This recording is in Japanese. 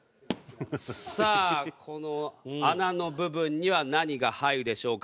さあこの穴の部分には何が入るでしょうか？